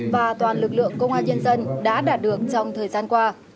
và toàn lực lượng công an nhân dân đã đạt được trong thời gian qua